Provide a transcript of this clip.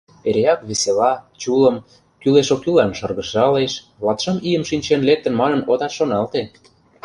Эреак весела, чулым, кӱлеш-оккӱллан шыргыжалеш, латшым ийым шинчен лектын манын отат шоналте.